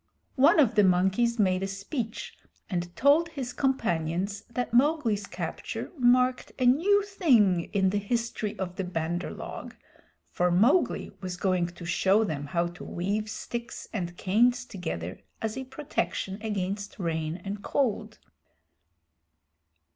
One of the monkeys made a speech and told his companions that Mowgli's capture marked a new thing in the history of the Bandar log, for Mowgli was going to show them how to weave sticks and canes together as a protection against rain and cold.